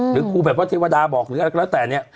หรือครูแบบว่าเทวดาบอกหรืออะไรก็แล้วแต่เนี่ย